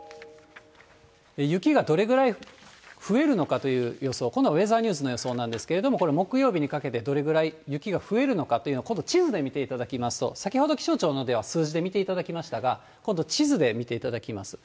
雪がどれぐらい増えるのかという予想、今度はウェザーニュースの予想なんですけれども、これ木曜日にかけてどれぐらい雪が増えるのかというの、今度地図で見ていただきますと、先ほど、気象庁のでは数字で見ていただきましたが、今度、地図で見ていただきます。